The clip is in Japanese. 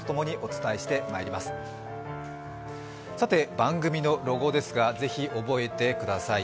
番組のロゴですが、ぜひ覚えてください。